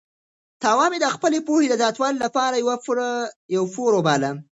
تاوان مې د خپلې پوهې د زیاتوالي لپاره یو پور وباله.